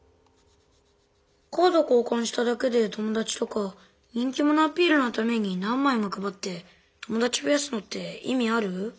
カード交かんしただけでともだちとか人気者アピールのために何まいもくばってともだちふやすのっていみある？